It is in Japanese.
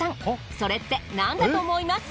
それって何だと思います？